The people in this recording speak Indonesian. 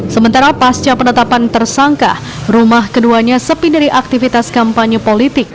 sementara pasca penetapan tersangka rumah keduanya sepi dari aktivitas kampanye politik